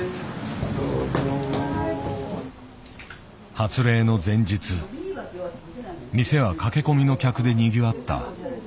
発令の前日店は駆け込みの客でにぎわった。